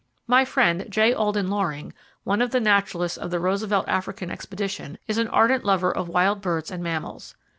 My friend J. Alden Loring (one of the naturalists of the Roosevelt African Expedition), is an ardent lover of wild birds and mammals.